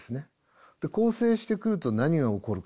で構成してくると何が起こるか。